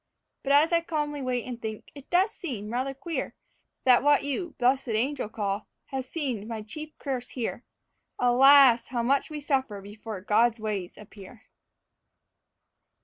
But as I calmly wait and think, it does seem rather queer That what you 'blessed angel' call has seemed my chief curse here. Alas! how much we suffer before God's ways appear."